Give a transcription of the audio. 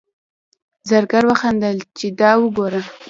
زرګر وخندل چې دا وګوره.